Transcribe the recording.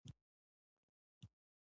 د تکامل د بيولوژي پوهانو نظرونه.